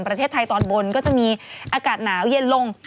ประเทศไทยตอนบนก็จะมีอากาศหนาวเย็นลง